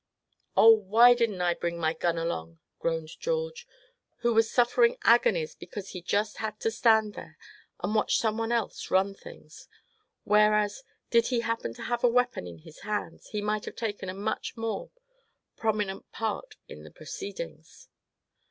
"Oh! why didn't I bring my gun along?" groaned George, who was suffering agonies because he just had to stand there, and watch some one else run things; whereas, did he happen to have a weapon in his hands, he might have taken a much more prominent part in the proceedings.